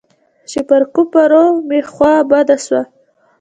چې پر کفارو مې خوا بده سوه.